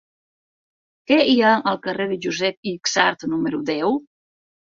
Què hi ha al carrer de Josep Yxart número deu?